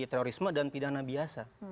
terorisme dan pidana biasa